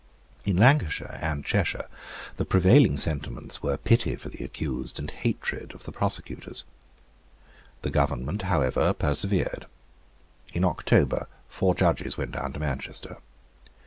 In Lancashire and Cheshire the prevailing sentiments were pity for the accused and hatred of the prosecutors. The government however persevered. In October four Judges went down to Manchester.